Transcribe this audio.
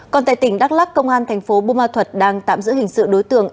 còn tại tỉnh đắk lắc công an thành phố bù ma thuật đang tạm giữ hình sự đối tượng